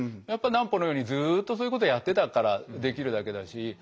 やっぱ南畝のようにずっとそういうことやってたからできるだけだし。